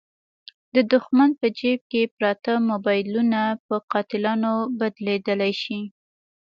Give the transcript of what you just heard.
د دوښمن په جیب کې پراته موبایلونه په قاتلانو بدلېدلای شي.